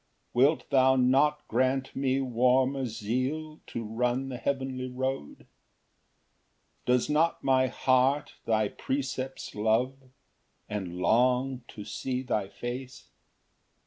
Wilt thou not grant me warmer zeal To run the heavenly road? Ver. 159 40. 5 Does not my heart thy precepts love, And long to see thy face?